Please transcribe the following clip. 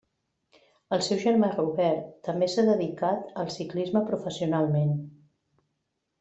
El seu germà Robert també s'ha dedicat al ciclisme professionalment.